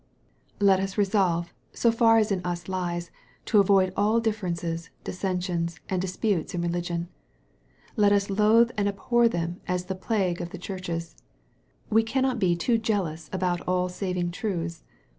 Let us resolve, so far as in us lies, to avoid all differ ences, dissensions, and disputes in religion. Let us loathe and abhor them as the plague of the churches. We cannot be too jealous about all saving truths.